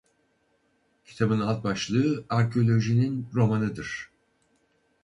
Kitabın alt başlığı "Arkeolojinin Romanı" dır.